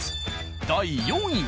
第４位は。